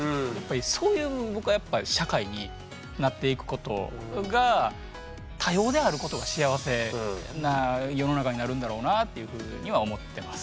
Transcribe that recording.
そういう僕はやっぱ社会になっていくことが多様であることが幸せな世の中になるんだろうなっていうふうには思ってます。